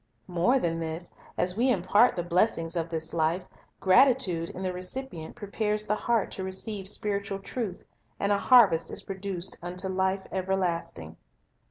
More than this: as we impart the blessings of this life, gratitude in the recipient prepares the heart to receive spiritual truth, and a harvest is produced unto life everlasting.